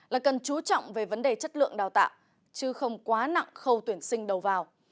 là cần chú trọng về vấn đề chất lượng đào tạo chứ không quá nặng khâu tuyển sinh đầu vào